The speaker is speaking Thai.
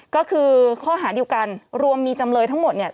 ก็คือข้อหาเดียวกันรวมมีจำเลยทั้งหมดเนี่ย